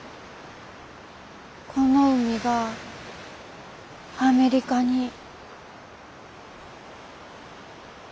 この海がアメリカに。